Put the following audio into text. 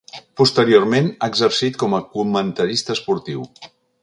Posteriorment, ha exercit com a comentarista esportiu.